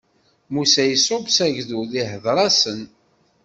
Musa iṣubb s agdud, ihdeṛ-asen.